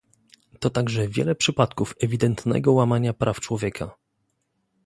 To także wiele przypadków ewidentnego łamania praw człowieka